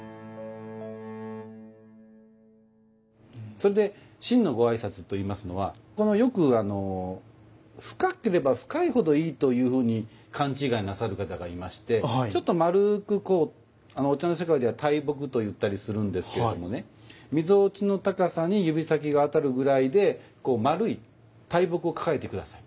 それで真のご挨拶といいますのはよく深ければ深いほどいいというふうに勘違いなさる方がいましてちょっと丸くこうお茶の世界では「大木」と言ったりするんですけどもねみぞおちの高さに指先が当たるぐらいで丸い大木を抱えて下さい。